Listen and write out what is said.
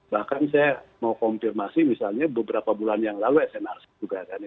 bahkan saya mau konfirmasi misalnya beberapa bulan yang lalu smrc juga kan